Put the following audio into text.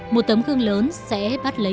một tấm gương lớn sẽ bắt lấy